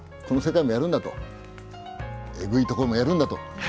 この世界もやるんだとえぐいところもやるんだと。